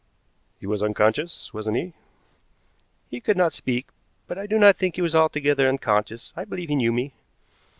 "He was unconscious, wasn't he?" "He could not speak, but I do not think he was altogether unconscious. I believe he knew me."